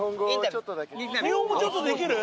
日本語ちょっとできる？